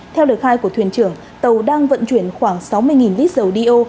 theo lời khai của thuyền trưởng tàu đang vận chuyển khoảng sáu mươi lít dầu đeo